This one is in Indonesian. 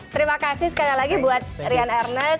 terima kasih sekali lagi buat rian ernest